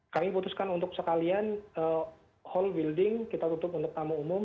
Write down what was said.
kami putuskan untuk sekalian hall building kita tutup untuk tamu umum